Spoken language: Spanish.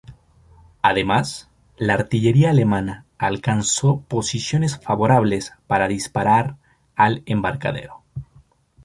Además, la artillería alemana alcanzó posiciones favorables para disparar al embarcadero.